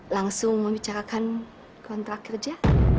langsung membicarakan kontrak kerja